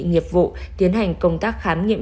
nghiệp vụ tiến hành công tác khám nghiệm